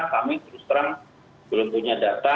kami terus terang belum punya data